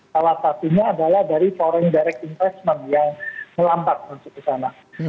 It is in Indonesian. salah satunya adalah dari foreign direct investment yang melambat maksud saya